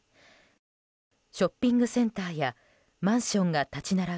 ショッピングセンターやマンションが立ち並ぶ